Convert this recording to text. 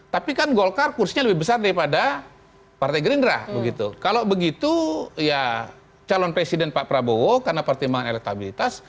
tapi kan golkar kursinya lebih besar daripada partai gerindra begitu kalau begitu ya calon presiden pak prabowo karena pertimbangan elektabilitas